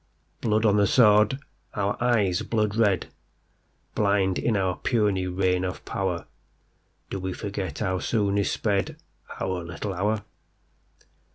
Blood on the sword, our eyes blood red, Blind in our puny reign of power, Do we forget how soon is spedOur little hour?